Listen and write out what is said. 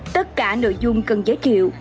tất cả nội dung cần giới thiệu